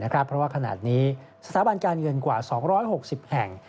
เพราะว่าขณะนี้สถาบันการเงินกว่า๒๖๐แห่ง